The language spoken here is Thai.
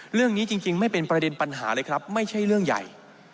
เรื่องนี้จริงไม่เป็นประเด็นปัญหาเลยครับไม่ใช่เรื่องใหญ่